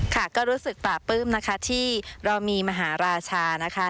ค่ะก็รู้สึกปราบปลื้มนะคะที่เรามีมหาราชานะคะ